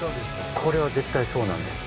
これは絶対そうなんです。